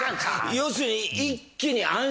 要するに一気に安心。